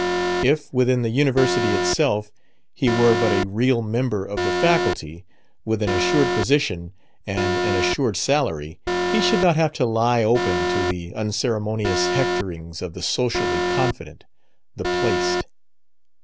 If, within the University itself, he were but a real member of the faculty, with an assured position and an assured salary, he should not have to lie open to the unceremonious hectorings of the socially confident, the "placed."